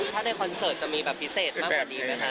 ถ้าในคอนเสิร์ตจะมีแบบพิเศษมากกว่านี้ไหมคะ